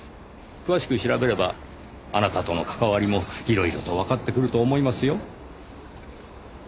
詳しく調べればあなたとの関わりも色々とわかってくると思いますよ。